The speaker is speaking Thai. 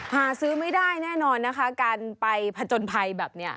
หาซื้อไม่ได้แน่นอนนะคะการไปผจญภัยแบบนี้